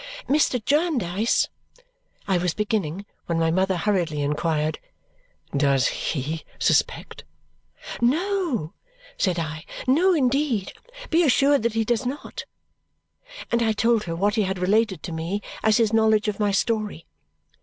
"Mr. Jarndyce " I was beginning when my mother hurriedly inquired, "Does HE suspect?" "No," said I. "No, indeed! Be assured that he does not!" And I told her what he had related to me as his knowledge of my story.